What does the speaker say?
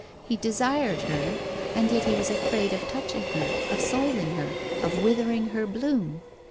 He desired her; and yet he was afraid of touching her, of soiling her, of withering her bloom.